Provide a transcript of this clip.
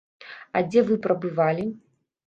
А дзе вы прабывалі?